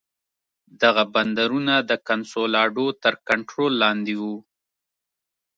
دغه بندرونه د کنسولاډو تر کنټرول لاندې وو.